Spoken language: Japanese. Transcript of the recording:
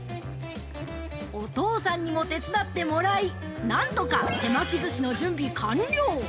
◆お父さんにも手伝ってもらい、なんとか手巻きずしの準備完了